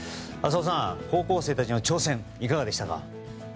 浅尾さん、高校生たちの挑戦いかがでしたか？